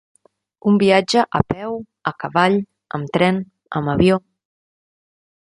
Un viatge a peu, a cavall, amb tren, amb avió.